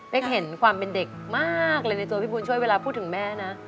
เห็นความเป็นเด็กมากเลยในตัวพี่บุญช่วยเวลาพูดถึงแม่นะ